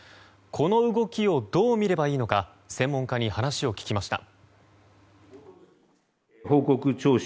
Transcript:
この動きをどう見ればいいのか専門家に話を聞きました。